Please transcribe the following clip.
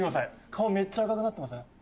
顔めっちゃ赤くなってません？